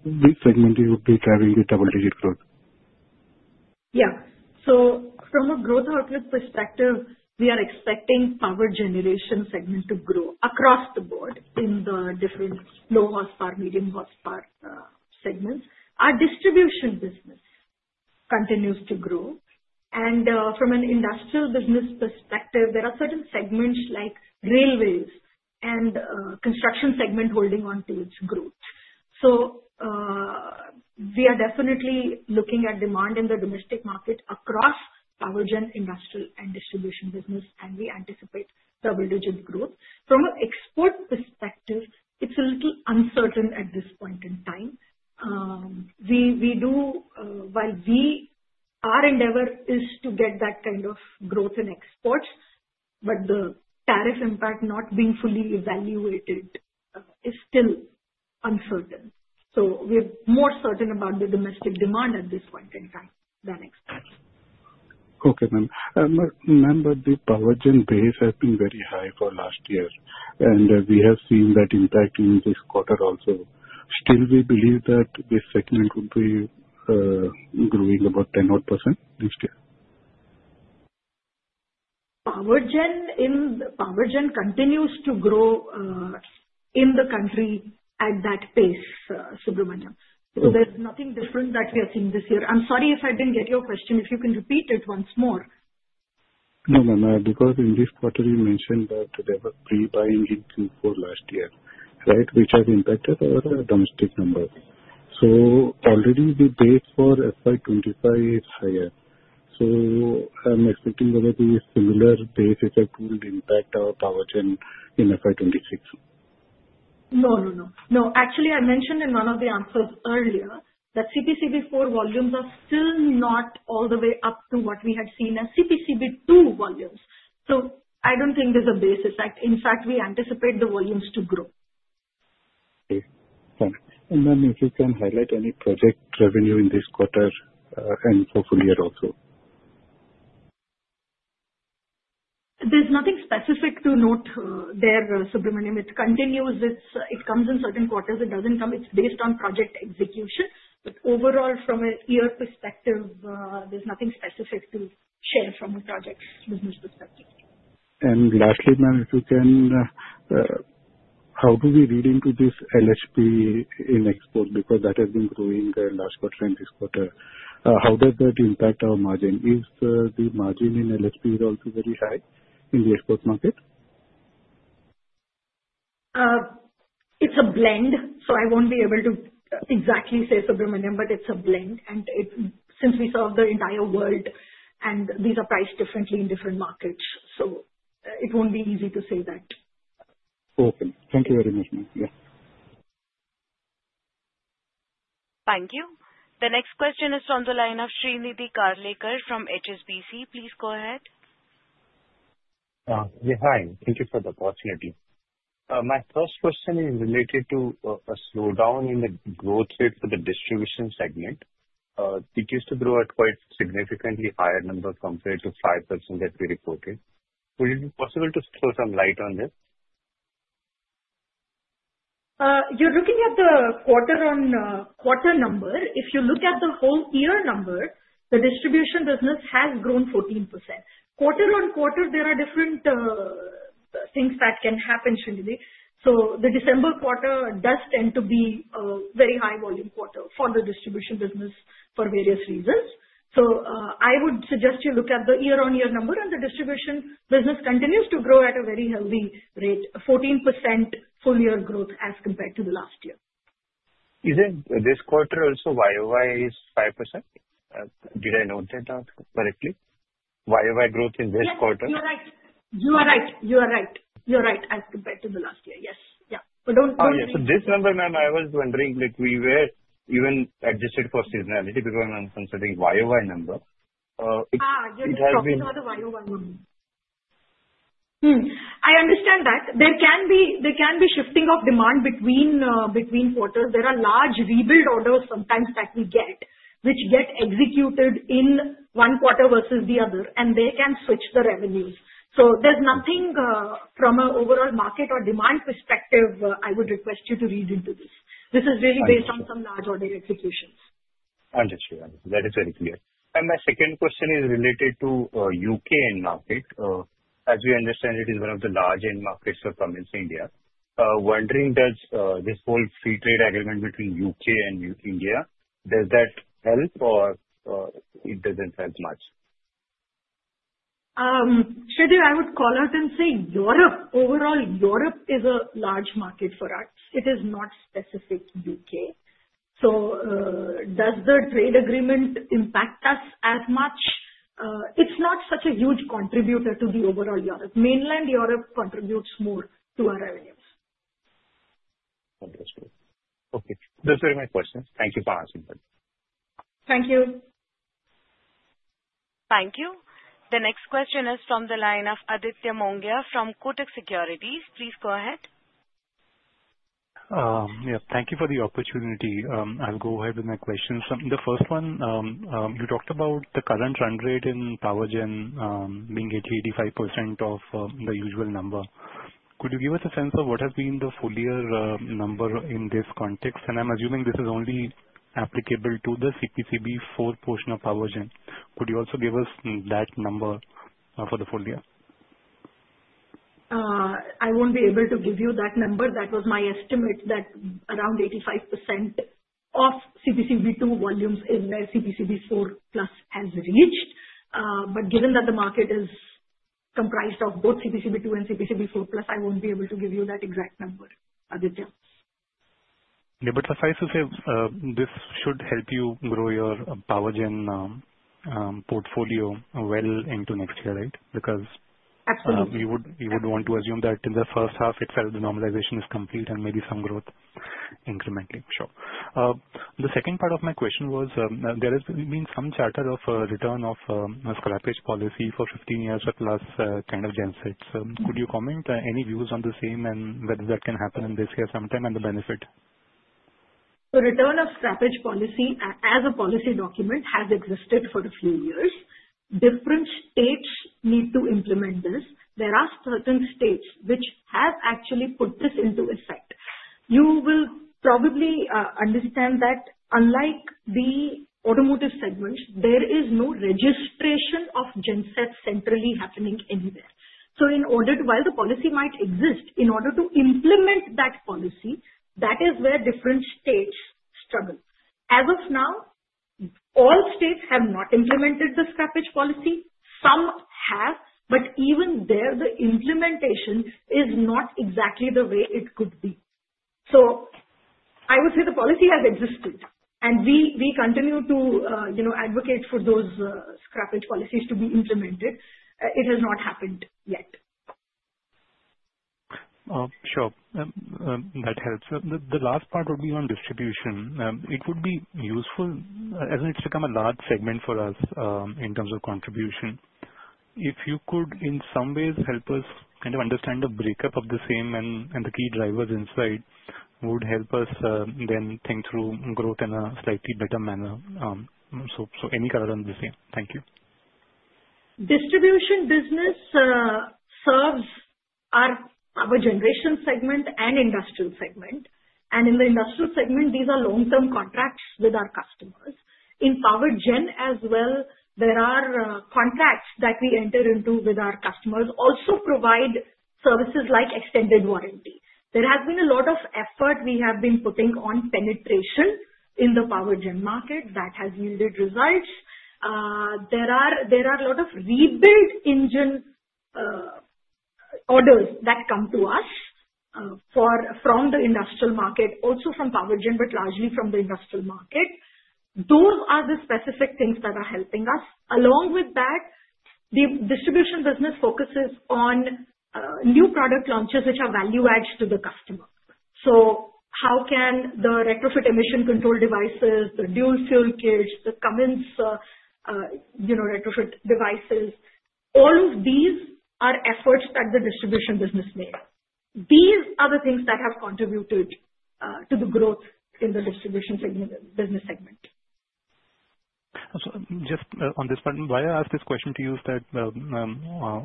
Speaker 13: which segment would be driving the double-digit growth?
Speaker 2: Yeah. So from a growth outlook perspective, we are expecting power generation segment to grow across the board in the different low horsepower, medium horsepower segments. Our distribution business continues to grow. And from an industrial business perspective, there are certain segments like railways and construction segment holding on to its growth. We are definitely looking at demand in the domestic market across power gen, industrial, and distribution business, and we anticipate double-digit growth. From an export perspective, it's a little uncertain at this point in time. While our endeavor is to get that kind of growth in exports, the tariff impact not being fully evaluated is still uncertain. We are more certain about the domestic demand at this point in time than exports.
Speaker 13: Okay, ma'am. Ma'am, but the power gen base has been very high for last year, and we have seen that impact in this quarter also. Still, we believe that this segment would be growing about 10% next year.
Speaker 2: Power gen continues to grow in the country at that pace, Subramaniam. There is nothing different that we are seeing this year. I'm sorry if I didn't get your question. If you can repeat it once more.
Speaker 13: No, ma'am. Because in this quarter, you mentioned that there was pre-buying in Q4 last year, right, which has impacted our domestic number. So already the base for FY2025 is higher. I am expecting whether the similar base effect would impact our power gen in FY2026.
Speaker 2: No, no, no. No. Actually, I mentioned in one of the answers earlier that CPCB4 volumes are still not all the way up to what we had seen as CPCB2 volumes. I do not think there is a base effect. In fact, we anticipate the volumes to grow.
Speaker 13: Okay. Thanks. Ma'am, if you can highlight any project revenue in this quarter and for full year also?
Speaker 2: There's nothing specific to note there, Subramaniam. It continues. It comes in certain quarters. It doesn't come. It's based on project execution. Overall, from a year perspective, there's nothing specific to share from a project business perspective.
Speaker 13: Lastly, ma'am, if you can, how do we read into this LHP in export? Because that has been growing last quarter and this quarter. How does that impact our margin? Is the margin in LHP also very high in the export market?
Speaker 2: It's a blend. I won't be able to exactly say, Subramaniam, but it's a blend. Since we serve the entire world and these are priced differently in different markets, it won't be easy to say that.
Speaker 13: Okay. Thank you very much, ma'am. Yeah.
Speaker 1: Thank you. The next question is from the line of Srinidhi Karlekar from HSBC. Please go ahead.
Speaker 14: Yeah. Hi. Thank you for the opportunity. My first question is related to a slowdown in the growth rate for the distribution segment. It used to grow at quite significantly higher number compared to 5% that we reported. Would it be possible to throw some light on this?
Speaker 2: You're looking at the quarter on quarter number. If you look at the whole year number, the distribution business has grown 14%. Quarter on quarter, there are different things that can happen, Srinidhi. The December quarter does tend to be a very high volume quarter for the distribution business for various reasons. I would suggest you look at the year-on-year number, and the distribution business continues to grow at a very healthy rate, 14% full year growth as compared to the last year.
Speaker 14: Isn't this quarter also YoY is 5%? Did I note that correctly? YoY growth in this quarter?
Speaker 2: Yes. You are right as compared to the last year. Yes. Yeah. But don't worry.
Speaker 14: Okay. So this number, ma'am, I was wondering, we were even adjusted for seasonality because I'm considering YoY number. It has been.
Speaker 2: You're talking about the YoY number. I understand that. There can be shifting of demand between quarters. There are large rebuild orders sometimes that we get, which get executed in one quarter versus the other, and they can switch the revenues. There is nothing from an overall market or demand perspective I would request you to read into this. This is really based on some large order executions.
Speaker 14: Understood. That is very clear. My second question is related to U.K. end market. As you understand, it is one of the large end markets for Cummins India. Wondering, does this whole free trade agreement between U.K. and India, does that help or it doesn't help much?
Speaker 2: Srinidhi, I would call out and say Europe. Overall, Europe is a large market for us. It is not specific to the U.K. So does the trade agreement impact us as much? It is not such a huge contributor to the overall Europe. Mainland Europe contributes more to our revenues.
Speaker 14: Understood. Okay. Those were my questions. Thank you for asking that.
Speaker 2: Thank you.
Speaker 1: Thank you. The next question is from the line of Aditya Mongia from Kotak Securities. Please go ahead.
Speaker 15: Yeah. Thank you for the opportunity. I'll go ahead with my questions. The first one, you talked about the current run rate in power gen being 80-85% of the usual number. Could you give us a sense of what has been the full year number in this context? And I'm assuming this is only applicable to the CPCB4 portion of power gen. Could you also give us that number for the full year?
Speaker 2: I won't be able to give you that number. That was my estimate that around 85% of CPCB2 volumes is where CPCB4 plus has reached. Given that the market is comprised of both CPCB2 and CPCB4 plus, I won't be able to give you that exact number, Aditya.
Speaker 15: Yeah. Suffice to say, this should help you grow your power gen portfolio well into next year, right? Because.
Speaker 2: Absolutely.
Speaker 15: You would want to assume that in the first half, it felt the normalization is complete and maybe some growth incrementally. Sure. The second part of my question was, there has been some chatter of return of scrappage policy for 15 years plus kind of gen sets. Could you comment on any views on the same and whether that can happen in this year sometime and the benefit?
Speaker 2: Return of scrappage policy as a policy document has existed for a few years. Different states need to implement this. There are certain states which have actually put this into effect. You will probably understand that unlike the automotive segment, there is no registration of gen sets centrally happening anywhere. In order to, while the policy might exist, in order to implement that policy, that is where different states struggle. As of now, all states have not implemented the scrappage policy. Some have, but even there, the implementation is not exactly the way it could be. I would say the policy has existed, and we continue to advocate for those scrappage policies to be implemented. It has not happened yet.
Speaker 15: Sure. That helps. The last part would be on distribution. It would be useful, as it's become a large segment for us in terms of contribution. If you could, in some ways, help us kind of understand the breakup of the same and the key drivers inside would help us then think through growth in a slightly better manner. Any color on this thing. Thank you.
Speaker 2: Distribution business serves our power generation segment and industrial segment. In the industrial segment, these are long-term contracts with our customers. In power gen as well, there are contracts that we enter into with our customers, also provide services like extended warranty. There has been a lot of effort we have been putting on penetration in the power gen market that has yielded results. There are a lot of rebuild engine orders that come to us from the industrial market, also from power gen, but largely from the industrial market. Those are the specific things that are helping us. Along with that, the distribution business focuses on new product launches which are value adds to the customer. How can the retrofit emission control devices, the dual fuel kits, the Cummins retrofit devices, all of these are efforts that the distribution business made. These are the things that have contributed to the growth in the distribution business segment.
Speaker 15: Just on this point, why I ask this question to you is that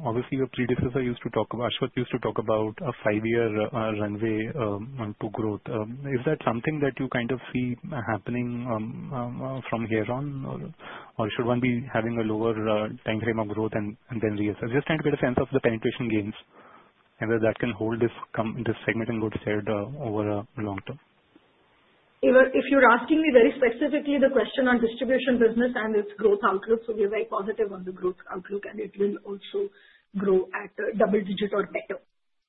Speaker 15: obviously your predecessor used to talk about, Ashwath used to talk about a five-year runway to growth. Is that something that you kind of see happening from here on, or should one be having a lower time frame of growth and then reassess? Just trying to get a sense of the penetration gains and whether that can hold this segment and go to shared over a long term.
Speaker 2: If you're asking me very specifically the question on distribution business and its growth outlook, we are very positive on the growth outlook, and it will also grow at double digit or better.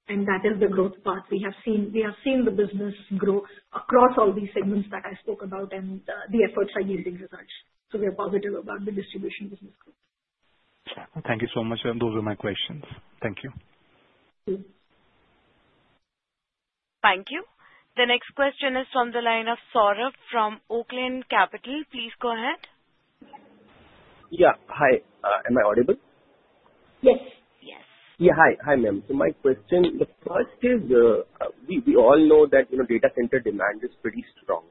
Speaker 2: That is the growth path we have seen. We have seen the business grow across all these segments that I spoke about, and the efforts are yielding results. We are positive about the distribution business growth.
Speaker 15: Thank you so much. Those were my questions. Thank you.
Speaker 2: Thank you.
Speaker 1: Thank you. The next question is from the line of Saurabh from Oakland Capital. Please go ahead. Yeah. Hi. Am I audible?
Speaker 2: Yes. Yes. Yeah. Hi. Hi, ma'am. My question, the first is we all know that data center demand is pretty strong.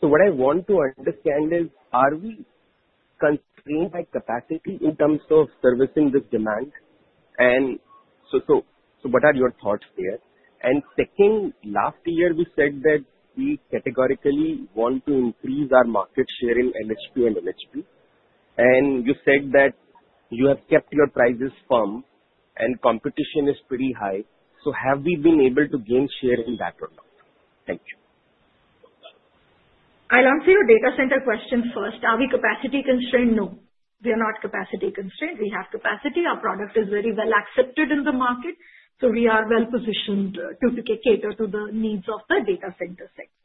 Speaker 2: What I want to understand is, are we constrained by capacity in terms of servicing this demand? What are your thoughts there? Second, last year, we said that we categorically want to increase our market share in LHP and MHP. You said that you have kept your prices firm, and competition is pretty high. Have we been able to gain share in that or not? Thank you. I'll answer your data center question first. Are we capacity constrained? No. We are not capacity constrained. We have capacity. Our product is very well accepted in the market. We are well positioned to cater to the needs of the data center segment.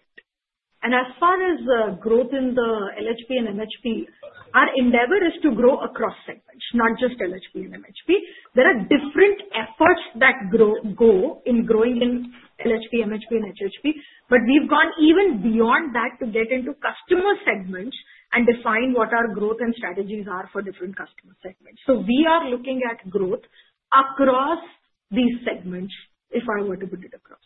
Speaker 2: As far as growth in the LHP and MHP, our endeavor is to grow across segments, not just LHP and MHP. There are different efforts that go in growing in LHP, MHP, and HHP. We have gone even beyond that to get into customer segments and define what our growth and strategies are for different customer segments. We are looking at growth across these segments if I were to put it across.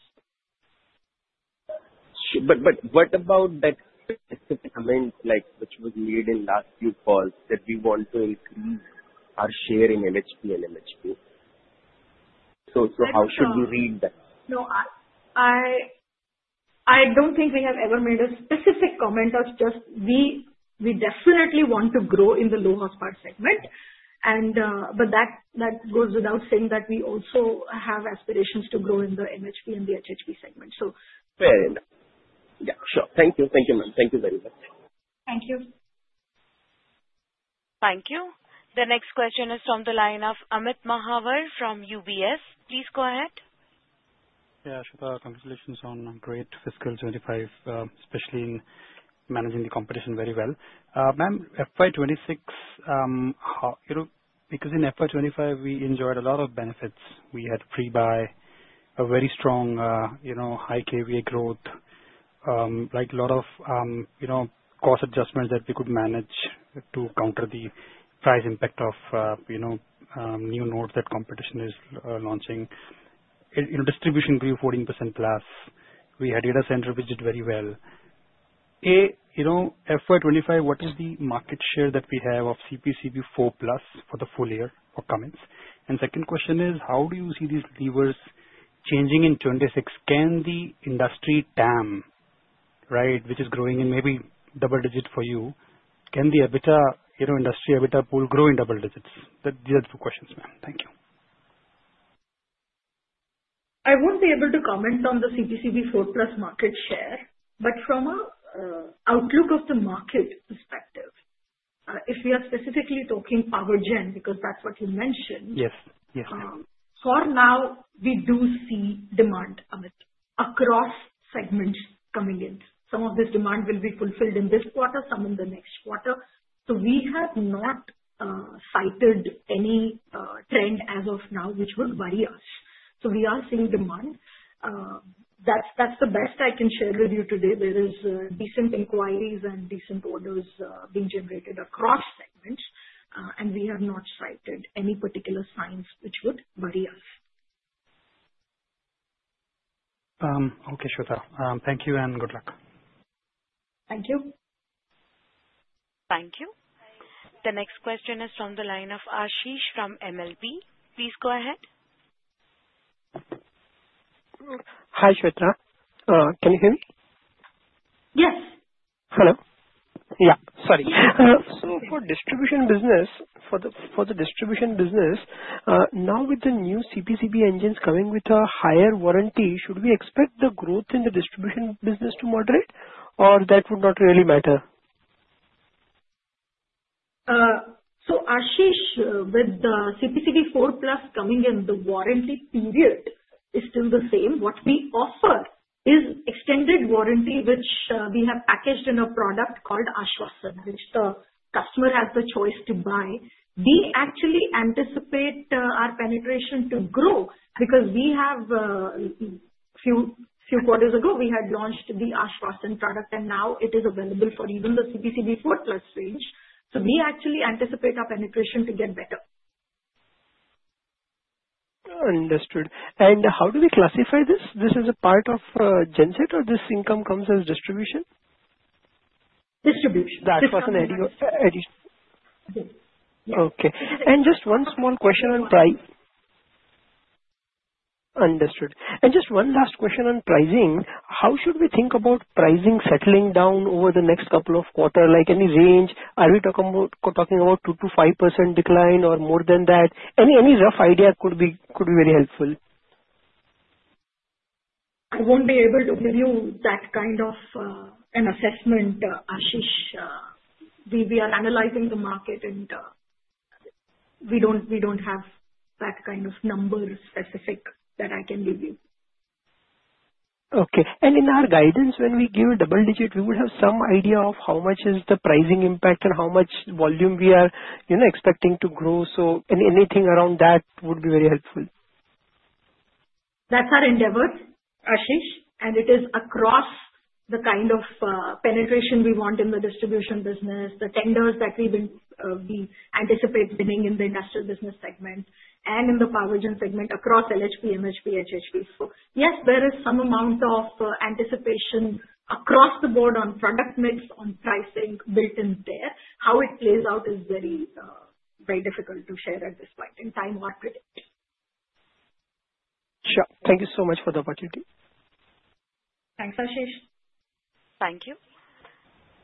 Speaker 2: What about that specific comment which was made in last few calls that we want to increase our share in LHP and MHP? How should we read that? No. I don't think we have ever made a specific comment of just we definitely want to grow in the low horsepower segment. That goes without saying that we also have aspirations to grow in the MHP and the HHP segment.
Speaker 8: Fair enough. Yeah. Sure. Thank you. Thank you, ma'am. Thank you very much.
Speaker 2: Thank you.
Speaker 1: Thank you. The next question is from the line of Amit Mahavar from UBS. Please go ahead.
Speaker 16: Yeah. Ashwath, congratulations on a great fiscal 2025, especially in managing the competition very well. Ma'am, fiscal 2026, because in fiscal 2025, we enjoyed a lot of benefits. We had pre-buy, a very strong high KVA growth, a lot of cost adjustments that we could manage to counter the price impact of new nodes that competition is launching. Distribution grew 14% plus. We had data center which did very well. Fiscal 2025, what is the market share that we have of CPCB4 plus for the full year for Cummins? Second question is, how do you see these levers changing in 2026? Can the industry TAM, right, which is growing in maybe double digit for you, can the industry EBITDA pool grow in double digits? These are the two questions, ma'am. Thank you.
Speaker 2: I won't be able to comment on the CPCB4 plus market share, but from an outlook of the market perspective, if we are specifically talking power gen, because that's what you mentioned.
Speaker 16: Yes. Yes.
Speaker 2: For now, we do see demand, Amit, across segments coming in. Some of this demand will be fulfilled in this quarter, some in the next quarter. We have not cited any trend as of now which would worry us. We are seeing demand. That's the best I can share with you today. There are decent inquiries and decent orders being generated across segments, and we have not cited any particular signs which would worry us.
Speaker 16: Okay. Ashwath, thank you and good luck.
Speaker 2: Thank you.
Speaker 1: Thank you. The next question is from the line of Ashish from MLB. Please go ahead. Hi, Ashwath. Can you hear me?
Speaker 2: Yes. Hello. Yeah. Sorry. For the distribution business, now with the new CPCB engines coming with a higher warranty, should we expect the growth in the distribution business to moderate, or that would not really matter? Ashish, with the CPCB4 plus coming in, the warranty period is still the same. What we offer is extended warranty, which we have packaged in a product called Ashwath, which the customer has the choice to buy. We actually anticipate our penetration to grow because a few quarters ago, we had launched the Ashwath product, and now it is available for even the CPCB4 plus range. We actually anticipate our penetration to get better. Understood. How do we classify this? This is a part of gen set or this income comes as distribution? Distribution. That was an addition. Okay. Just one small question on price. Understood. Just one last question on pricing. How should we think about pricing settling down over the next couple of quarters? Like any range? Are we talking about 2-5% decline or more than that? Any rough idea could be very helpful. I won't be able to give you that kind of an assessment, Ashish. We are analyzing the market, and we don't have that kind of number specific that I can give you. Okay. In our guidance, when we give a double digit, we would have some idea of how much is the pricing impact and how much volume we are expecting to grow. Anything around that would be very helpful. That's our endeavor, Ashish. It is across the kind of penetration we want in the distribution business, the tenders that we anticipate winning in the industrial business segment and in the power gen segment across LHP, MHP, HHP. Yes, there is some amount of anticipation across the board on product mix, on pricing built in there. How it plays out is very difficult to share at this point in time or predict. Sure. Thank you so much for the opportunity. Thanks, Ashish.
Speaker 1: Thank you.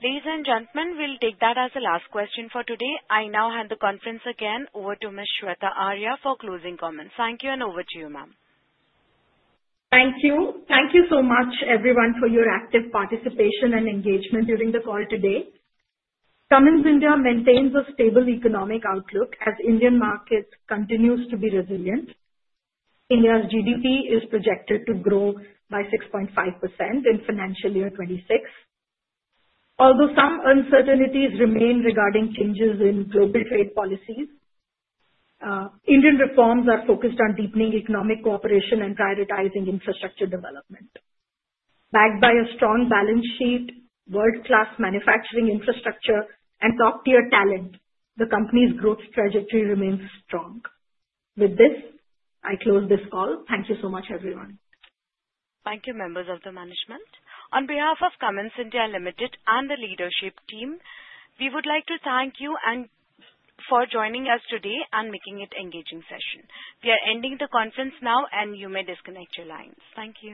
Speaker 1: Ladies and gentlemen, we'll take that as the last question for today. I now hand the conference again over to Ms. Shweta Arya for closing comments. Thank you and over to you, ma'am.
Speaker 2: Thank you. Thank you so much, everyone, for your active participation and engagement during the call today. Cummins India maintains a stable economic outlook as Indian markets continue to be resilient. India's GDP is projected to grow by 6.5% in financial year 2026. Although some uncertainties remain regarding changes in global trade policies, Indian reforms are focused on deepening economic cooperation and prioritizing infrastructure development. Backed by a strong balance sheet, world-class manufacturing infrastructure, and top-tier talent, the company's growth trajectory remains strong. With this, I close this call. Thank you so much, everyone.
Speaker 1: Thank you, members of the management. On behalf of Cummins India Ltd and the leadership team, we would like to thank you for joining us today and making it an engaging session. We are ending the conference now, and you may disconnect your lines. Thank you.